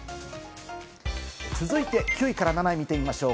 続いて９位から７位見てみましょう。